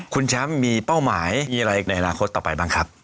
คุณแชมป์มีเป้าหมายมีอะไรในอนาคตต่อไปบ้างครับ